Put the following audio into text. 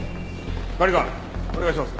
管理官お願いします。